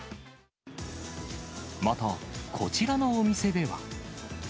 また、こちらのお店では。